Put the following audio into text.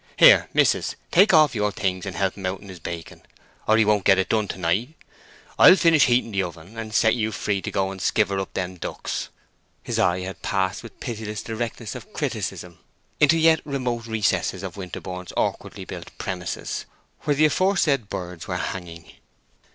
Here, mis'ess, take off your things, and help him out in his baking, or he won't get done to night. I'll finish heating the oven, and set you free to go and skiver up them ducks." His eye had passed with pitiless directness of criticism into yet remote recesses of Winterborne's awkwardly built premises, where the aforesaid birds were hanging.